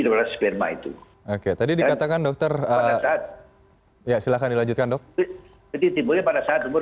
sperma itu oke tadi dikatakan dokter ya silahkan dilanjutkan dok jadi timbulnya pada saat umur lima puluh